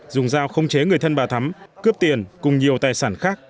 dùng dao không chế người thân bà thắm cướp tiền cùng nhiều tài sản khác